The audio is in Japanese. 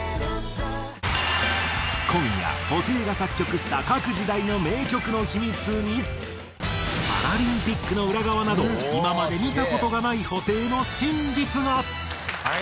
今夜布袋が作曲した各時代の名曲の秘密にパラリンピックの裏側など今まで見た事がない布袋の真実が。